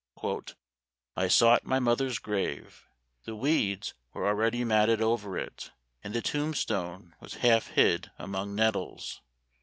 " I sought my mother's grave. The weeds were already matted over it, and the tombstone was half hid among nettles.